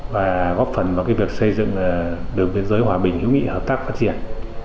và góp phần vào việc xây dựng đường biên giới hòa bình hữu nghị hợp tác phát triển